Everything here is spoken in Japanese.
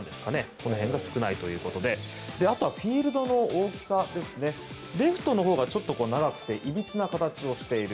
この辺が少ないということであとはフィールドの大きさですねレフトのほうがちょっと長くていびつな形をしている。